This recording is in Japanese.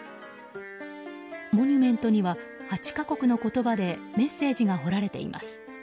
モニュメントには８か国の言葉でメッセージが彫られています。